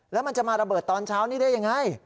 แล้วมันจะมาระเบิดตอนเช้านี้ได้ยังไง